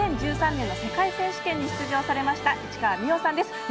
２０１３年の世界選手権に出場されました市川美余さんです。